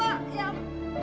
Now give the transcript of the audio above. ya pak pak jangan pak